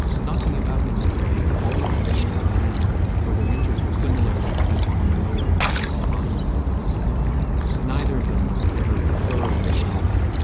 Knocking about in this way, all of the year around, for their winters were similarly spent upon the lower waters and bayous of the Mississippi, neither of them was ever thoroughly well.